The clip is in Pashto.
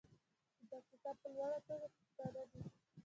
د پکتیکا په لوړه توګه پښتانه دي.